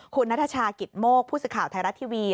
คุณนัทชากิตโมกผู้สื่อข่าวไทยรัฐทีวี